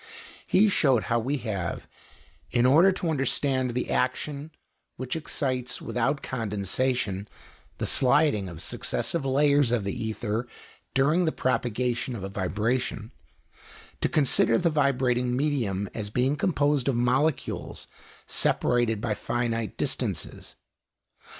He showed how we have, in order to understand the action which excites without condensation the sliding of successive layers of the ether during the propagation of a vibration, to consider the vibrating medium as being composed of molecules separated by finite distances.